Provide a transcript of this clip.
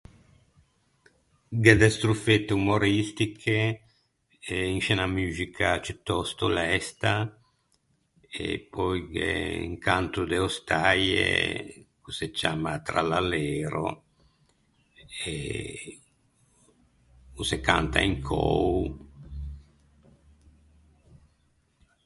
Gh’é de strofette umoristiche eh in sce unna muxica ciutòsto lesta e pöi gh’é un canto de ostaie ch’o se ciamma trallalero e ch’o se canta in cöo.